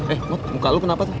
eh mot muka lu kenapa tuh